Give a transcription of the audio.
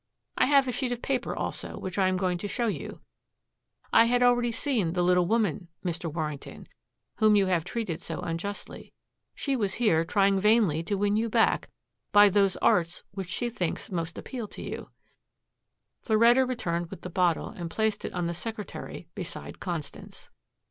I have a sheet of paper, also, which I am going to show you. I had already seen the little woman, Mr. Warrington, whom you have treated so unjustly. She was here trying vainly to win you back by those arts which she thinks must appeal to you." Floretta returned with the bottle and placed it on the secretary beside Constance.